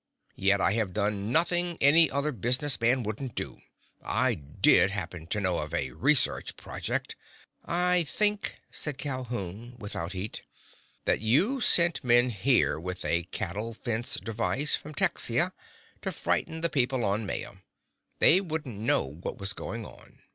Yet I have done nothing any other business man wouldn't do! I did happen to know of a research project—" "I think," said Calhoun without heat, "that you sent men here with a cattle fence device from Texia to frighten the people on Maya. They wouldn't know what was going on.